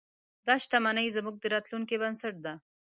دا شتمنۍ زموږ د راتلونکي بنسټ دی.